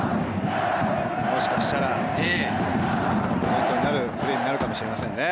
もしかしたらポイントになるプレーになるかもしれませんね。